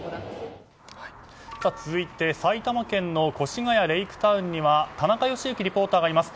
続いて埼玉県の越谷レイクタウンには田中良幸リポーターがいます。